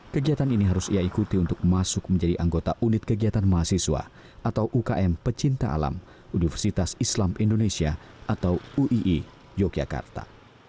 kegiatan ini harus ia ikuti untuk masuk menjadi anggota unit kegiatan mahasiswa atau ukm pecinta alam universitas islam indonesia atau uii yogyakarta